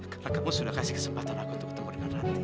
karena kamu sudah kasih kesempatan aku untuk ketemu dengan rantie